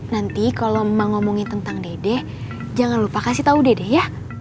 nanti kalo emak ngomongin tentang dede jangan lupa kasih tau dede ya